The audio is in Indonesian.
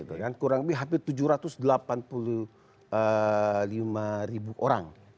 dan kurang lebih hampir tujuh ratus delapan puluh lima ribu orang